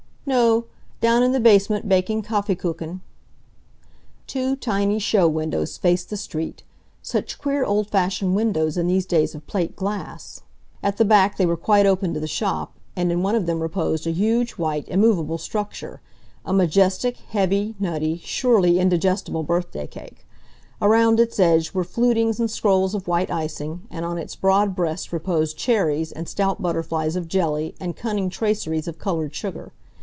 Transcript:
"No; down in the basement baking Kaffeekuchen." Two tiny show windows faced the street such queer, old fashioned windows in these days of plate glass. At the back they were quite open to the shop, and in one of them reposed a huge, white, immovable structure a majestic, heavy, nutty, surely indigestible birthday cake. Around its edge were flutings and scrolls of white icing, and on its broad breast reposed cherries, and stout butterflies of jelly, and cunning traceries of colored sugar.